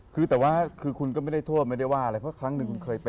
คือแต่ว่าคือคุณก็ไม่ได้โทษไม่ได้ว่าอะไรเพราะครั้งหนึ่งคุณเคยเป็น